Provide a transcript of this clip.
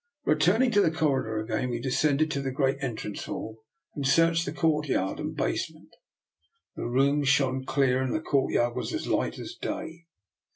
Returning to the corridor again, we descended to the great entrance hall and searched the courtyard and basement. The moon shone clear, and the courtyard was as light as day.